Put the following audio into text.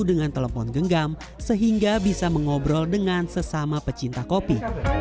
dengan telepon genggam sehingga bisa mengobrol dengan sesama pecinta kopi